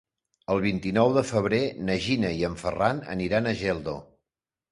El vint-i-nou de febrer na Gina i en Ferran aniran a Geldo.